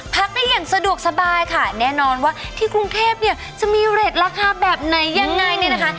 พักได้อย่างสะดวกสบายค่ะแน่นอนว่าที่กรุงเทพเนี่ยจะมีเรทราคาแบบไหนยังไงเนี่ยนะคะ